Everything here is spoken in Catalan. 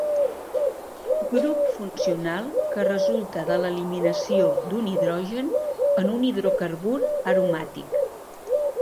Grup funcional que resulta de l'eliminació d'un hidrogen en un hidrocarbur aromàtic.